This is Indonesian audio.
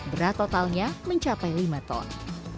berat totalnya mencapai lima ton